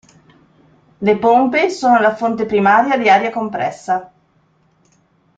Le pompe sono la fonte primaria di aria compressa.